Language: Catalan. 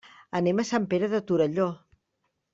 Anem a Sant Pere de Torelló.